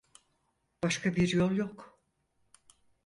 Başka bir yol yok.